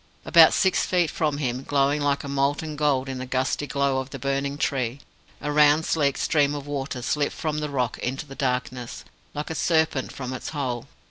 About six feet from him glowing like molten gold in the gusty glow of the burning tree a round sleek stream of water slipped from the rock into the darkness, like a serpent from its hole.